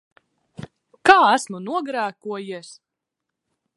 Kā esmu nogrēkojies?